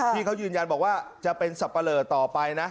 ที่เขายืนยันบอกว่าจะเป็นสับปะเลอต่อไปนะ